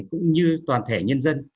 cũng như toàn thể nhân dân